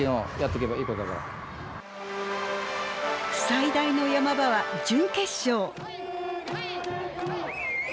最大の山場は準決勝。